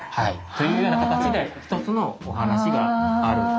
というような形で一つのお話があると。